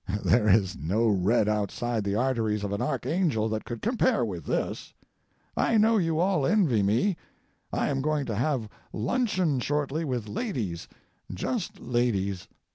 There is no red outside the arteries of an archangel that could compare with this. I know you all envy me. I am going to have luncheon shortly with ladies just ladies.